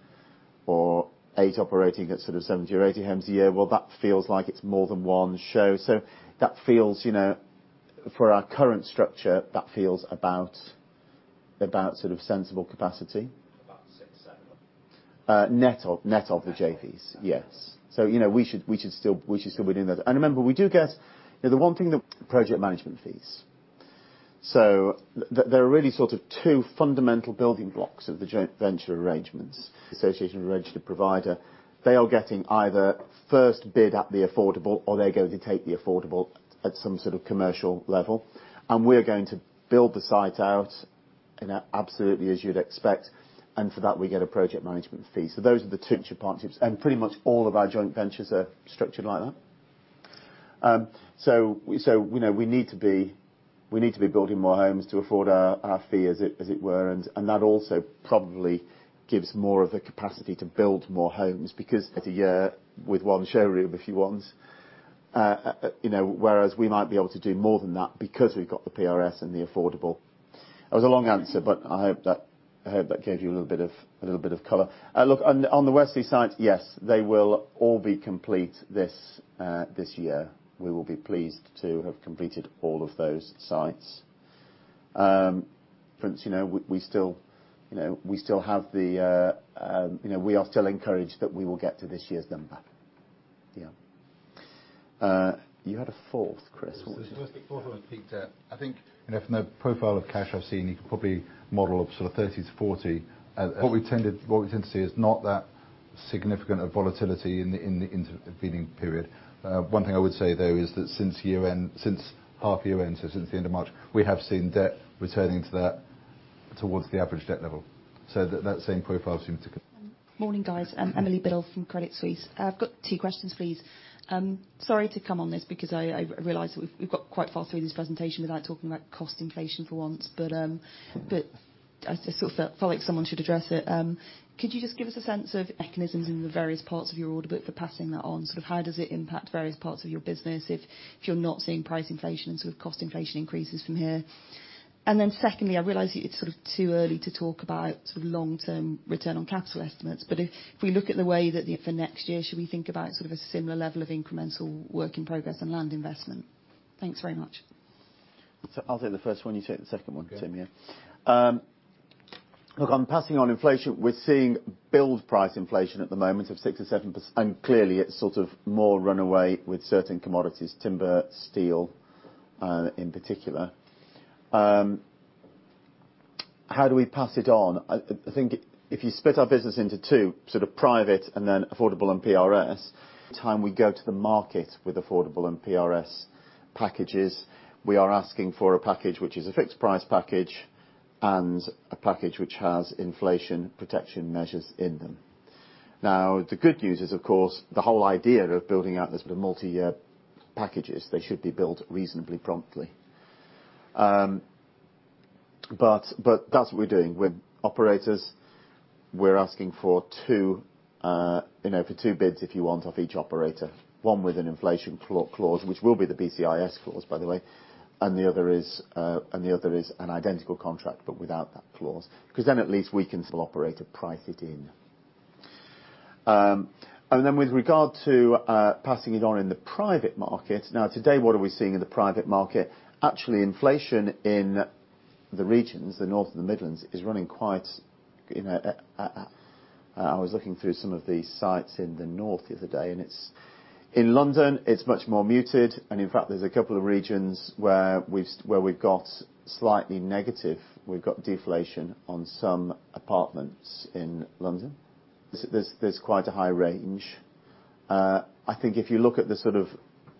or eight operating at sort of 70 or 80 homes a year. Well, that feels like it's more than one show. That feels, you know, for our current structure, that feels about sort of sensible capacity.
About six, seven.
Net of the JVs.
Net.
Yes. You know, we should still within that. Remember, we do get, you know, the one thing that project management fees. There are really sort of two fundamental building blocks of the joint venture arrangements. Association with registered provider. They are getting either first bid at the affordable, or they're going to take the affordable at some sort of commercial level, and we're going to build the site out, you know, absolutely as you'd expect, and for that, we get a project management fee. Those are the two partnerships, and pretty much all of our joint ventures are structured like that. You know, we need to be building more homes to afford our fee, as it were, and that also probably gives more of the capacity to build more homes because in a year with one showroom, if you want, you know, whereas we might be able to do more than that because we've got the PRS and the affordable. That was a long answer, but I hope that gave you a little bit of color. Look, on the Westleigh site, yes, they will all be complete this year. We will be pleased to have completed all of those sites. Frankly, you know, we still have the, you know, we are still encouraged that we will get to this year's number. Yeah. You had a fourth, Chris, what was it?
The specific fourth one, Peter, I think, you know, from the profile of cash I've seen, you could probably model sort of 30-40. What we tend to see is not that significant of volatility in the interim period. One thing I would say, though, is that since year-end, since half-year end, so since the end of March, we have seen debt returning to that, towards the average debt level. That same profile seems to continue.
Morning, guys. Emily Biddle from Credit Suisse. I've got two questions, please. Sorry to come on this because I realize that we've got quite far through this presentation without talking about cost inflation for once. I sort of felt like someone should address it. Could you just give us a sense of mechanisms in the various parts of your order book for passing that on, sort of how does it impact various parts of your business if you're not seeing price inflation and sort of cost inflation increases from here? Secondly, I realize it's sort of too early to talk about sort of long-term return on capital estimates. If we look at the way that for next year, should we think about sort of a similar level of incremental work in progress and land investment?
Thanks very much.
I'll take the first one. You take the second one, Tim, yeah.
Okay.
Look, on passing on inflation, we're seeing build price inflation at the moment of 6% or 7%, and clearly it's sort of more runaway with certain commodities, timber, steel, in particular. How do we pass it on? I think if you split our business into two, sort of private and then affordable and PRS, time we go to the market with affordable and PRS packages, we are asking for a package which is a fixed price package and a package which has inflation protection measures in them. Now, the good news is, of course, the whole idea of building out this multi-year packages, they should be built reasonably promptly. But that's what we're doing. We're operators. We're asking for two, you know, for two bids, if you want, off each operator. One with an inflation clause, which will be the BCIS clause, by the way, and the other is an identical contract, but without that clause. Because then at least we can still operate and price it in. Then with regard to passing it on in the private market. Now today, what are we seeing in the private market? Actually, inflation in the regions, the North and the Midlands, is running quite. I was looking through some of the sites in the North the other day, and it's in London, it's much more muted, and in fact, there's a couple of regions where we've got slightly negative. We've got deflation on some apartments in London. There's quite a high range. I think if you look at the sort of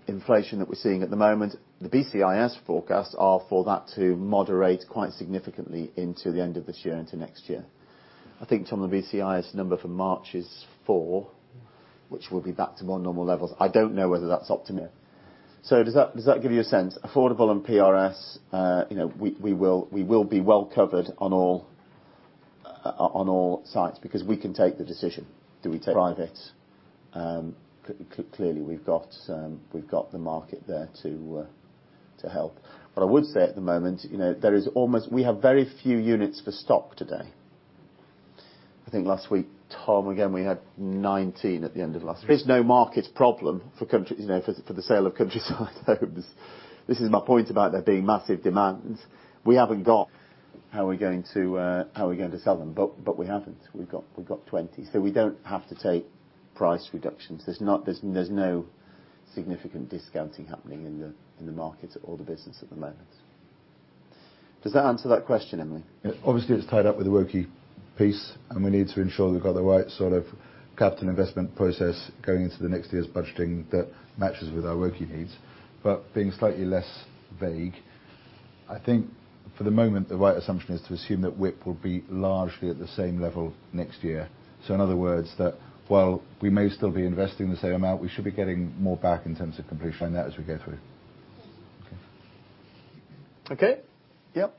inflation that we're seeing at the moment, the BCIS forecasts are for that to moderate quite significantly into the end of this year, into next year. I think, Tom, the BCIS number for March is 4%, which will be back to more normal levels. I don't know whether that's optimum. Does that give you a sense? Affordable and PRS, we will be well covered on all sides because we can take the decision. Do we take private? Clearly, we've got the market there to help. What I would say at the moment, we have very few units in stock today. I think last week, Tom, again, we had 19 at the end of last week. There is no market problem for Countryside, you know, for the sale of Countryside homes. This is my point about there being massive demand. We haven't got how we're going to sell them, but we haven't. We've got 20. So we don't have to take price reductions. There's no significant discounting happening in the market or the business at the moment. Does that answer that question, Emily?
Obviously, it's tied up with the WIP piece, and we need to ensure we've got the right sort of capital investment process going into the next year's budgeting that matches with our WIP needs. Being slightly less vague, I think for the moment, the right assumption is to assume that WIP will be largely at the same level next year. In other words, that while we may still be investing the same amount, we should be getting more back in terms of completion on that as we go through.
Okay. Yep.
Yeah.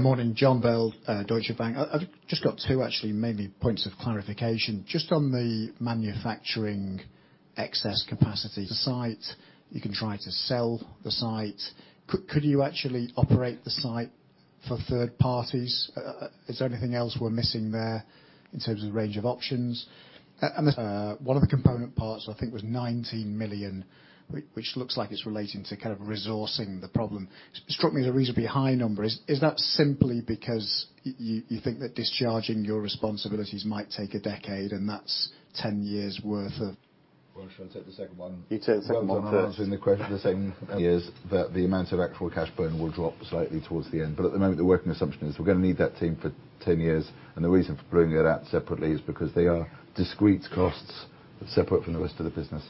Morning, John Bell, Deutsche Bank. I've just got two actually mainly points of clarification. Just on the manufacturing excess capacity site, you can try to sell the site. Could you actually operate the site for third parties? Is there anything else we're missing there in terms of range of options? One of the component parts, I think, was 19 million, which looks like it's relating to kind of resourcing the problem. It struck me as a reasonably high number. Is that simply because you think that discharging your responsibilities might take a decade, and that's 10 years worth of-
Well, should I take the second one?
You take the second one first.
Well, I'm answering the question the same years, but the amount of actual cash burn will drop slightly towards the end. At the moment, the working assumption is we're going to need that team for 10 years, and the reason for bringing that out separately is because they are discrete costs separate from the rest of the business.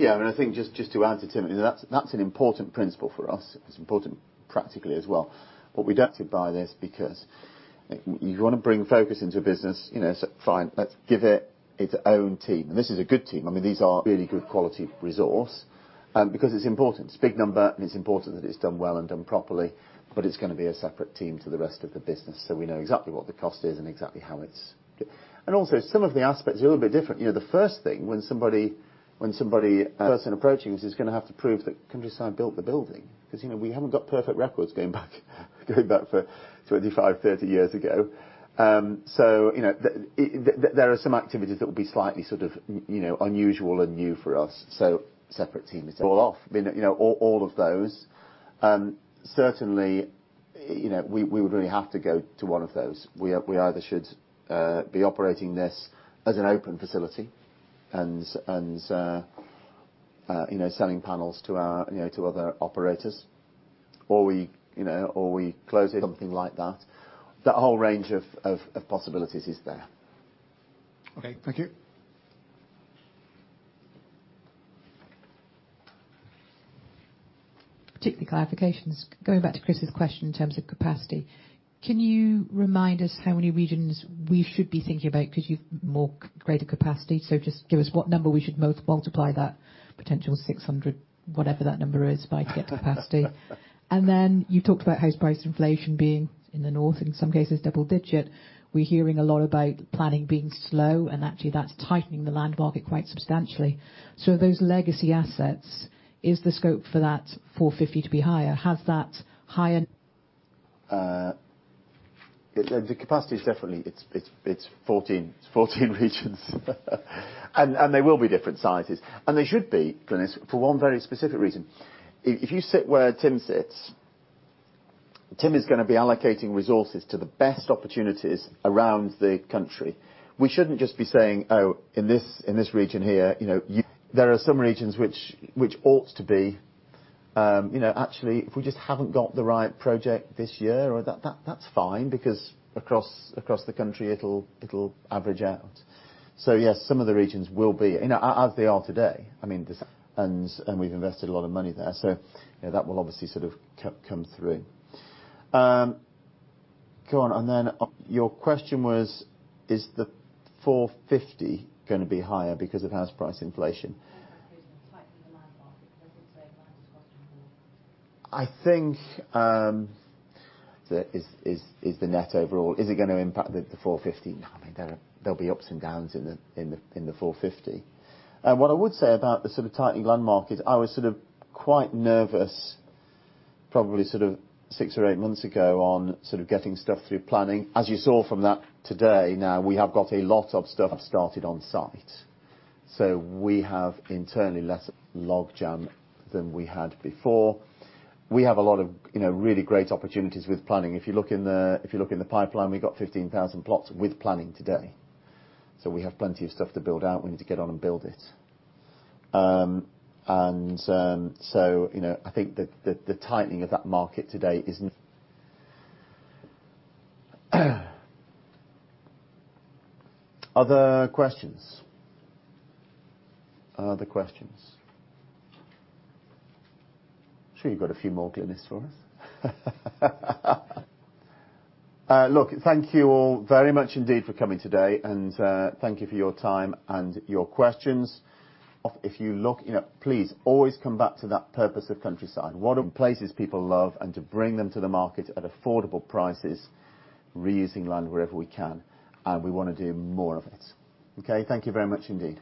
I think just to add to Tim, that's an important principle for us. It's important practically as well. If you wanna bring focus into a business, you know, so fine, let's give it its own team. This is a good team. I mean, these are really good quality resource, because it's important. It's a big number, and it's important that it's done well and done properly, but it's gonna be a separate team to the rest of the business, so we know exactly what the cost is and exactly how it's. Also some of the aspects are a little bit different. You know, the first thing when somebody.
Uh.
Person approaching this is gonna have to prove that Countryside built the building. 'Cause, we haven't got perfect records going back for 25, 30 years ago. There are some activities that will be slightly unusual and new for us. Separate team is all off. I mean, all of those. Certainly, we would really have to go to one of those. We either should be operating this as an open facility and selling panels to our to other operators. Or we close it. Something like that. The whole range of possibilities is there.
Okay. Thank you.
Technical clarifications. Going back to Chris's question in terms of capacity. Can you remind us how many regions we should be thinking about 'cause you have much greater capacity? Just give us what number we should multiply that potential 600 million, whatever that number is by to get capacity. Then you talked about house price inflation being in the North, in some cases double-digit. We're hearing a lot about planning being slow, and actually that's tightening the land market quite substantially. Those legacy assets, is the scope for that 450 million to be higher? Has that higher
The capacity is definitely 14 regions. They will be different sizes. They should be, Glynis, for one very specific reason. If you sit where Tim sits, Tim is gonna be allocating resources to the best opportunities around the country. We shouldn't just be saying, "Oh, in this region here, you know." There are some regions which ought to be. You know, actually if we just haven't got the right project this year or that's fine because across the country, it'll average out. Yes, some of the regions will be, you know, as they are today. I mean, we've invested a lot of money there. You know, that will obviously sort of come through. Go on, your question was, is the 450 million gonna be higher because of house price inflation?
House price inflation is tightening the land market because it's saying land is costing more.
I think, is the net overall, is it gonna impact the 450 million? No, I mean, there'll be ups and downs in the 450 million. What I would say about the sort of tightening land market, I was sort of quite nervous probably sort of six or eight months ago on sort of getting stuff through planning. As you saw from that today, now we have got a lot of stuff started on site. So we have internally less logjam than we had before. We have a lot of, you know, really great opportunities with planning. If you look in the pipeline, we've got 15,000 plots with planning today. So we have plenty of stuff to build out. We need to get on and build it. You know, I think the tightening of that market today is Other questions? I'm sure you've got a few more, Glynis, for us. Look, thank you all very much indeed for coming today and thank you for your time and your questions. If you look, you know, please always come back to that purpose of Countryside. What are places people love and to bring them to the market at affordable prices, reusing land wherever we can, and we wanna do more of it. Okay. Thank you very much indeed.